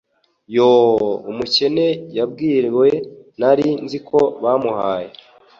Yoo, umukene Yabwiriwe! Nari nziko bamuhaye